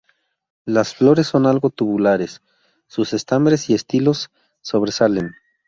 Las flores son algo tubulares, sus estambres y estilos sobresalen.